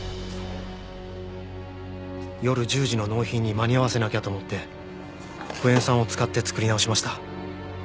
夜１０時の納品に間に合わせなきゃと思ってクエン酸を使って作り直しました。